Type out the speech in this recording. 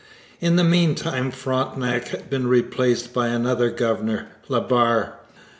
In the meantime Frontenac had been replaced by another governor, La Barre.